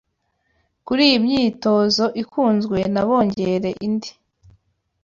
kuriyi myitozo ikunzwe nabongere indi